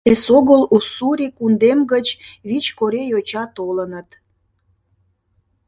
Эсогыл Уссурий кундем гыч вич корей йоча толыныт...